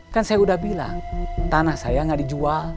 kan saya udah bilang tanah saya nggak dijual